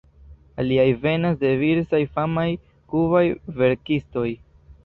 Aliaj venas de diversaj famaj kubaj verkistoj.